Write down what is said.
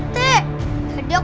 tadi aku lihat sendiri